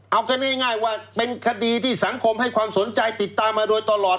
เอากันง่ายว่าเป็นคดีที่สังคมให้ความสนใจติดตามมาโดยตลอด